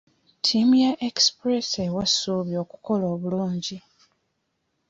Ttiimu ya Express ewa essuubi okukola obulungi.